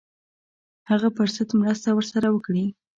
هغه پر ضد مرسته ورسره وکړي.